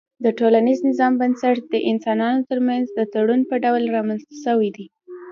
د ټولنيز نظام بنسټ د انسانانو ترمنځ د تړون په ډول رامنځته سوی دی